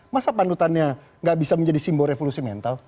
masa panutannya gak bisa menjadi simbol revolusi mental